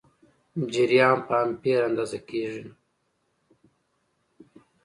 جریان په امپیر اندازه کېږي.